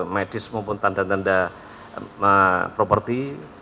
medis maupun tanda tanda properti